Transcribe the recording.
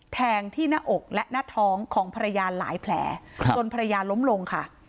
แทงที่หน้าอกและหน้าท้องของภรรยาหลายแผลจนภรรยาล้มลงค่ะ